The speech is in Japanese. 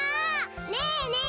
ねえねえ